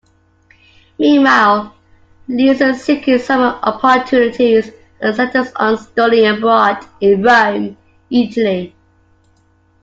Meanwhile, Lisa's seeking summer opportunities and settles on studying abroad in Rome, Italy.